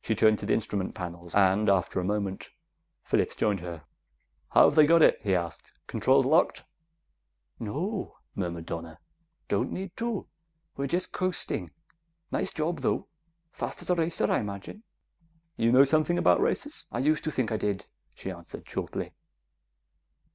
She turned to the instrument panels; and after a moment, Phillips joined her. "How have they got it?" he asked. "Controls locked?" "No," murmured Donna. "Don't need to; we're just coasting. Nice job, though. Fast as a racer, I imagine." "You know something about racers?" "I used to think I did," she answered, shortly.